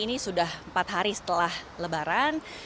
ini sudah empat hari setelah lebaran